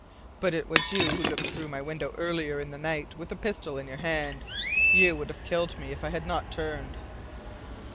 But it was you who looked through my window earlier in the night, with a pistol in your hand. You would have killed me if I had not turned."